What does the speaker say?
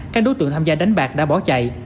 các đối tượng tham gia đánh bạc đã bỏ chạy